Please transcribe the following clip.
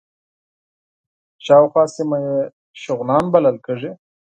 شاوخوا سیمه یې شغنان بلل کېږي.